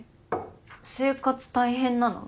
生活大変なの？